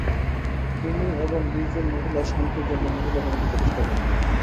তিনি এবং বিশ জন মহিলা শান্তির জন্য মহিলা কমিটি প্রতিষ্ঠা করেন।